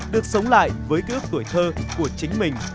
được sống lại với ký ức tuổi thơ của chính mình